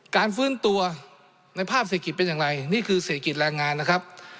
การฟื้นตัวในภาพเศรษฐกิจเป็นอย่างไรนี่คือเศรษฐกิจแรงงานนะครับ